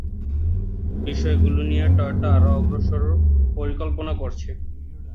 বিষয়গুলো নিয়ে টয়োটা আরো অগ্রসর পরিকল্পনা করেছে।